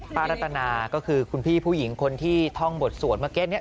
รัตนาก็คือคุณพี่ผู้หญิงคนที่ท่องบทสวดเมื่อกี้เนี่ย